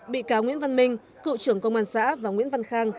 bị cáo nguyễn văn minh cựu trưởng công an xã và nguyễn văn khang